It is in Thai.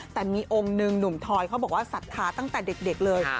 แต่มีองค์หนึ่งหนุ่มทอยเขาบอกว่าศรัทธาตั้งแต่เด็กเลย